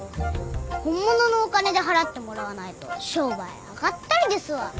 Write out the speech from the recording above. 本物のお金で払ってもらわないと商売あがったりですわ。